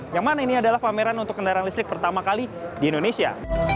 yang mana ini adalah pameran untuk kendaraan listrik pertama kali di indonesia